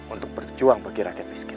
untuk berjuang bagi rakyat miskin